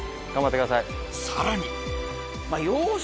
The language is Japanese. さらに。